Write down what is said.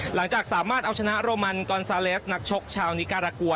หลังจากสามารถเอาชนะโรมันกอนซาเลสนักชกชาวนิการากัว